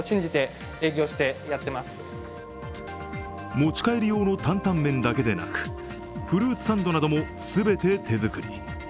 持ち帰り用の担々麺だけでなくフルーツサンドなども全て手作り。